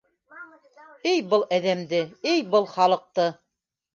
Эй был әҙәмде, эй был халыҡты...